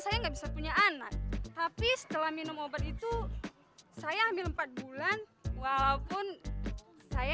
saya nggak bisa punya anak tapi setelah minum obat itu saya hamil empat bulan walaupun saya